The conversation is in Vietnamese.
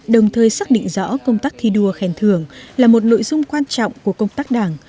đồng thời xác định rõ công tác thi đua khen thường là một nội dung quan trọng của công tác đảng